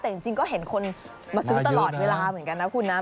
แต่จริงก็เห็นคนมาซื้อตลอดเวลาเหมือนกันนะคุณนะ